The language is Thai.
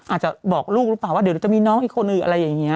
อาจจะบอกลูกหรือเปล่าว่าเดี๋ยวจะมีน้องอีกคนอื่นอะไรอย่างนี้